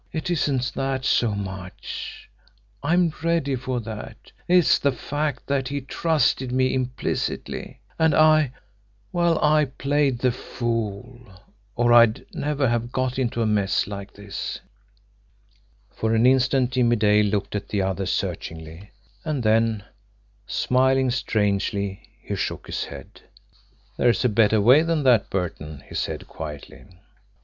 "It isn't that so much. I'm ready for that. It's the fact that he trusted me implicitly, and I well, I played the fool, or I'd never have got into a mess like this." For an instant Jimmie Dale looked at the other searchingly, and then, smiling strangely, he shook his head. "There's a better way than that, Burton," he said quietly.